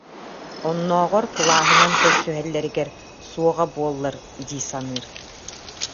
Оннооҕор кылааһынан көрсүһэллэригэр суоҕа буоллар дии саныыр